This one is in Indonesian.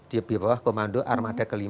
di bawah komando armada ke lima